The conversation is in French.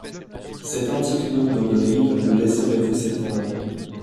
Cet antique nom d'Auberive, le laisserez-vous s'éteindre ?